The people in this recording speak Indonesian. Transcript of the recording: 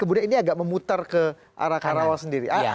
kebunnya ini agak memutar ke arah karawal sendiri